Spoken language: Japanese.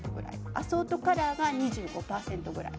アソートカラーが２５％くらい。